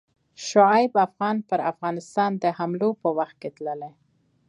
شعیب افغان پر افغانستان د حملو په وخت کې تللی.